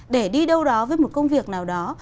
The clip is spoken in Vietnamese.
để đi đâu đó với một công việc nào đó